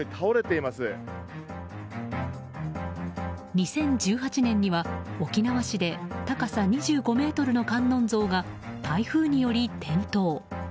２０１８年には沖縄市で高さ２５ｍの観音像が台風により転倒。